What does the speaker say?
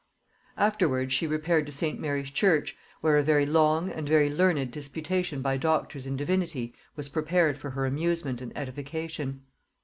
Afterwards she repaired to St. Mary's church, where a very long and very learned disputation by doctors in divinity was prepared for her amusement and edification.